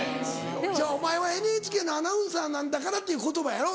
「お前はＮＨＫのアナウンサーなんだから」っていう言葉やろ？